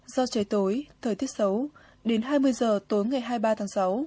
do trời tối thời tiết xấu đến hai mươi giờ tối ngày hai mươi ba tháng sáu